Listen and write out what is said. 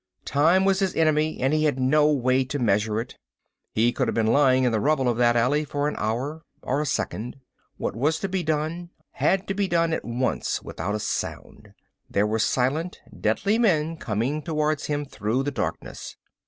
Time was his enemy and he had no way to measure it. He could have been lying in the rubble of that alley for an hour or a second. What was to be done, had to be done at once without a sound. There were silent, deadly men coming towards him through the darkness.